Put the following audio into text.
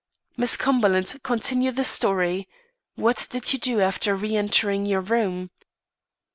"Miss Cumberland, continue the story. What did you do after re entering your room?"